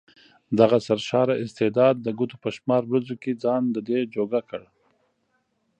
دغه سرشاره استعداد د ګوتو په شمار ورځو کې ځان ددې جوګه کړ.